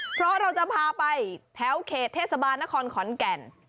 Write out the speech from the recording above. เพราะเราจะพาไปแถวเขตเทศบาลนครขอนแก่น